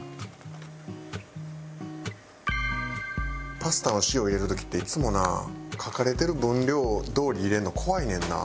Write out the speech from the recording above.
パスタの塩入れる時っていつもな書かれてる分量どおり入れるの怖いねんな。